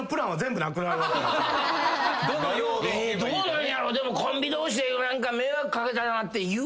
えどうなんやろう？でもコンビ同士で迷惑掛けたなって言うかな？